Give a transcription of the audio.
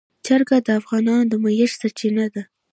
چرګان د افغانانو د معیشت سرچینه ده.